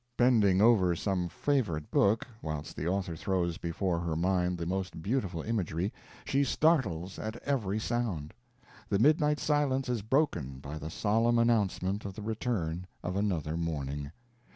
Bending over some favorite book, whilst the author throws before her mind the most beautiful imagery, she startles at every sound. The midnight silence is broken by the solemn announcement of the return of another morning.